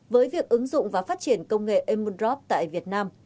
với việc ứng dụng và phát triển công nghệ emmundrop tại việt nam